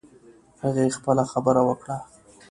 هغې خپله خبره وکړه